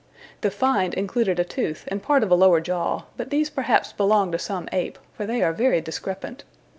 The "find" included a tooth and part of a lower jaw, but these perhaps belong to some ape, for they are very discrepant.